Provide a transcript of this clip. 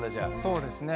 そうですね。